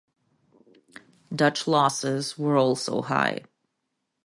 Dutch losses were also high.